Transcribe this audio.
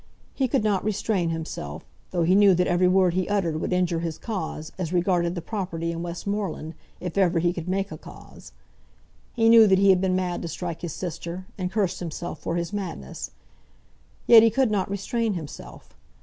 He could not restrain himself, though he knew that every word he uttered would injure his cause, as regarded the property in Westmoreland, if ever he could make a cause. He knew that he had been mad to strike his sister, and cursed himself for his madness. Yet he could not restrain himself.